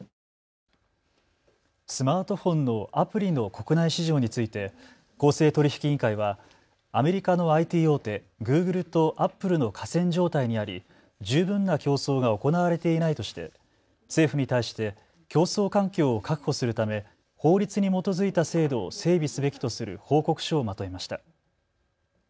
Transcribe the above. スマートフォンのアプリの国内市場について公正取引委員会はアメリカのＩＴ大手、グーグルとアップルの寡占状態にあり十分な競争が行われていないとして政府に対して競争環境を確保するため法律に基づいた制度を整備すべきとする報告書をまとめました。